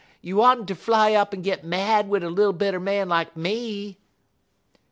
You oughtn' ter fly up en git mad wid a little bit er man like me.'